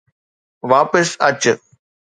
واپس اچ